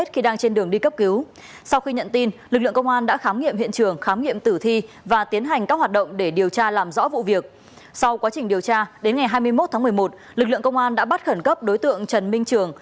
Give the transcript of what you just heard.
sau quá trình điều tra đến ngày hai mươi một tháng một mươi một lực lượng công an đã bắt khẩn cấp đối tượng trần minh trường